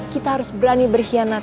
kita harus berani berhianat